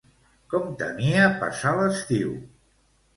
Com temia passar l'estiu?